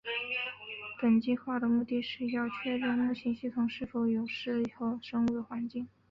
本计画的目的是要确认木星系统是否有适合生命的环境。